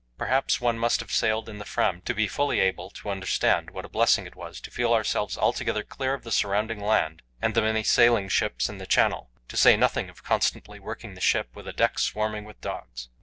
Perhaps one must have sailed in the Fram to be able fully to understand what a blessing it was to feel ourselves altogether clear of the surrounding land and the many sailing ships in the Channel to say nothing of constantly working the ship with a deck swarming with dogs.